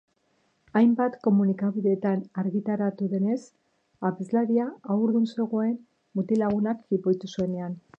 Hainbat komunikabidetan argitaratu denez, abeslaria hardun zegoen mutil-lagunak jipoitu zuenean.